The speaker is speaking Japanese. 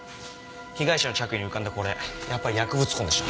被害者の着衣に浮かんだこれやっぱり薬物痕でした。